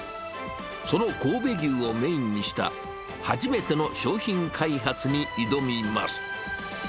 その神戸牛をメインにした初めての商品開発に挑みます。